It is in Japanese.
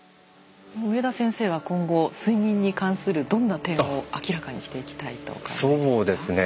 上田先生は今後睡眠に関するどんな点を明らかにしていきたいとお考えですか？